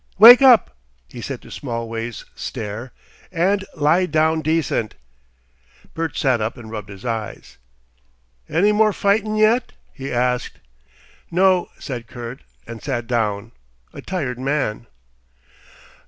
"Wake up," he said to Smallways' stare, "and lie down decent." Bert sat up and rubbed his eyes. "Any more fightin' yet?" he asked. "No," said Kurt, and sat down, a tired man.